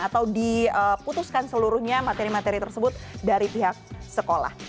atau diputuskan seluruhnya materi materi tersebut dari pihak sekolah